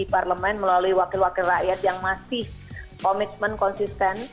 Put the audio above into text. di parlemen melalui wakil wakil rakyat yang masih komitmen konsisten